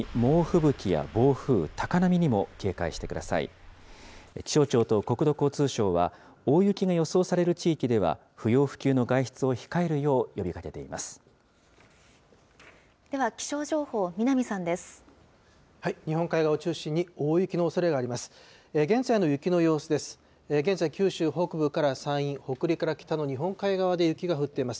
日本海側を中心に、大雪のおそれがあります。